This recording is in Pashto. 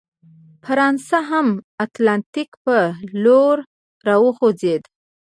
فرانسه هم اتلانتیک په لور راوخوځېده.